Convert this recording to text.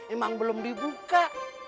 emang belum dibuka